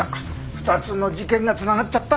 ２つの事件が繋がっちゃった。